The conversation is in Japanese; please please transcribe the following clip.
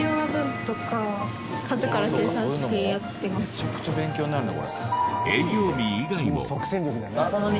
めちゃくちゃ勉強になるねこれ。